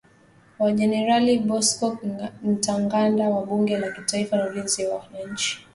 Wa Generali Bosco Ntaganda, wa Bunge la Kitaifa la Ulinzi wa Wananchi.